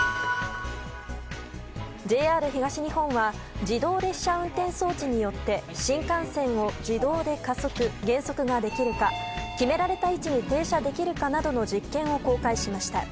ＪＲ東日本は、自動列車運転装置によって、新幹線を自動で加速、減速ができるか、決められた位置に停車できるかなどの実験を公開しました。